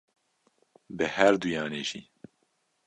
Bi herduyan e jî.